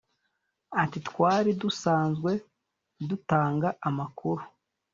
Ati” Twari dusanzwe dutanga amakuru